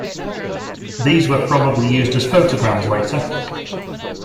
These were probably used as photograms later.